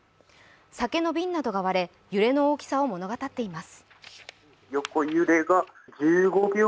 酒の瓶などが割れ揺れの大きさを物語っています。